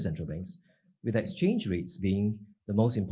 dengan harga perubahan yang paling penting